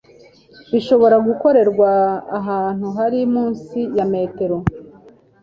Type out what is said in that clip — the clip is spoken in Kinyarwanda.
bishobora gukorerwa ahantu hari munsi ya metero